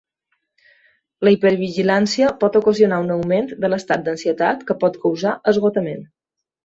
La hipervigilància pot ocasionar un augment de l'estat d'ansietat que pot causar esgotament.